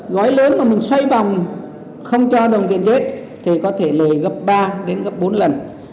gói lớn mà mình xoay vòng không cho đồng tiền chết thì có thể lời gấp ba đến gấp bốn lần